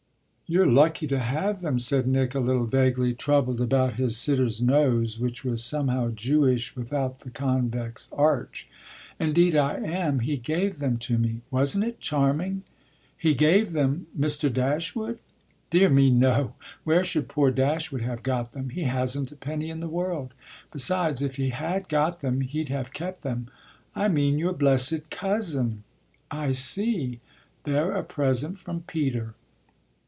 "You're lucky to have them," said Nick a little vaguely, troubled about his sitter's nose, which was somehow Jewish without the convex arch. "Indeed I am. He gave them to me. Wasn't it charming?" "'He' gave them Mr. Dashwood?" "Dear me, no where should poor Dashwood have got them? He hasn't a penny in the world. Besides, if he had got them he'd have kept them. I mean your blessed cousin." "I see they're a present from Peter."